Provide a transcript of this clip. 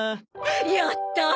やったー！